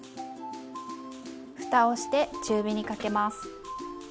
ふたをして中火にかけます。